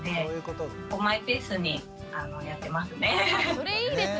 それいいですね。